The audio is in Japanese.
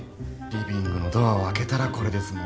リビングのドアを開けたらこれですもん。